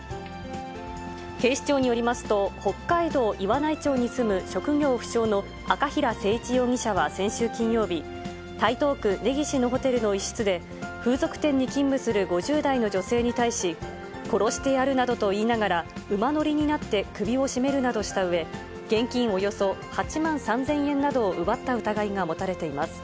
警視庁によりますと、北海道岩内町に住む職業不詳の赤平誠一容疑者は先週金曜日、台東区根岸のホテルの一室で、風俗店に勤務する５０代の女性に対し、殺してやるなどと言いながら、馬乗りになって首を絞めるなどしたうえ、現金およそ８万３０００円などを奪った疑いが持たれています。